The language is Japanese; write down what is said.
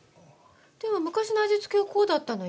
でも昔の味付けはこうだったのよ。